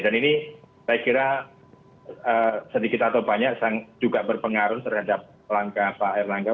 dan ini saya kira sedikit atau banyak juga berpengaruh terhadap langkah pak erlangga